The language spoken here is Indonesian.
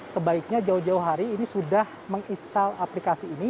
sebaiknya jauh jauh hari ini sudah menginstal aplikasi ini